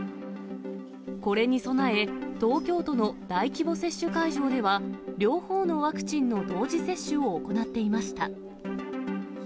これに備え、東京都の大規模接種会場では、両方のワクチンの同時接種を行っていました。